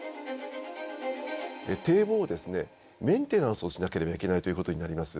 堤防をですねメンテナンスをしなければいけないということになります。